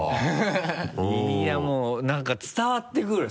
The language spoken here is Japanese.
いやもう何か伝わってくる。